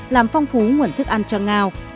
làm phong phú nguồn thức ăn cho ngao